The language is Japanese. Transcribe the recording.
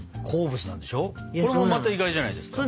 これもまた意外じゃないですか。